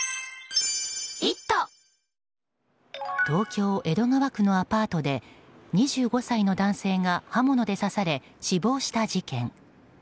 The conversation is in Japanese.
東京・江戸川区のアパートで２５歳の男性が刃物で刺され死亡した事件。